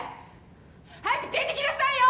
早く出てきなさいよ！